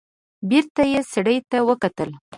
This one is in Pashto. بېرته يې سړي ته وکتل.